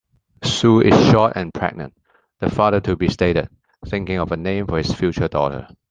"Sue is short and pregnant", the father-to-be stated, thinking of a name for his future daughter.